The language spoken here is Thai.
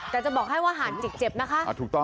แต่จะบอกให้ว่าหันจิกเจ็บนะคะ